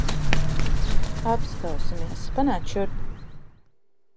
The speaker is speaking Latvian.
Apskausimies. Panāc šurp.